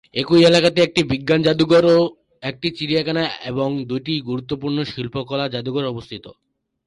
একই এলাকাতে একটি বিজ্ঞান জাদুঘর, একটি চিড়িয়াখানা এবং দুইটি গুরুত্বপূর্ণ শিল্পকলা জাদুঘর অবস্থিত।